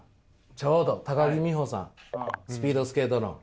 ちょうど木美帆さんスピードスケートの。